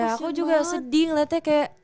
aku juga sedih ngeliatnya kayak